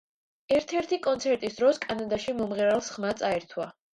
ერთ-ერთი კონცერტის დროს, კანადაში, მომღერალს ხმა წაერთვა.